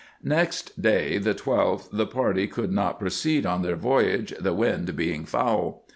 Next day, the 12th, the party could not proceed on their voyage, the wind being foul.